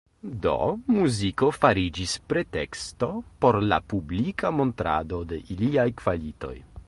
Do muziko fariĝis preteksto por la publika montrado de iliaj kvalitoj.